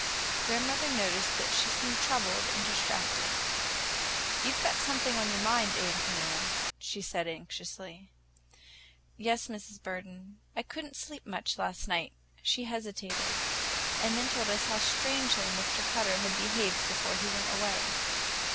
Grandmother noticed that she seemed troubled and distracted. "You've got something on your mind, Ántonia," she said anxiously. "Yes, Mrs. Burden. I could n't sleep much last night." She hesitated, and then told us how strangely Mr. Cutter had behaved before he went away.